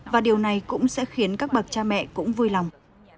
và điều này cũng sẽ khiến các bậc cha mẹ cũng vui lòng